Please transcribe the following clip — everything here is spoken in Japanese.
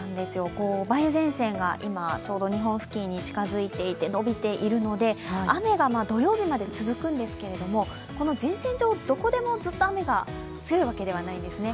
梅雨前線が日本付近に近づいて伸びているので、雨が土曜日まで続くんですけれども、この前線上、どこでも、ずっと雨が強いわけではないんですね。